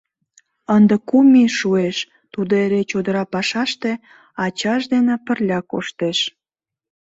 Ынде кум ий шуэш, тудо эре чодыра пашаште ачаж дене пырля коштеш.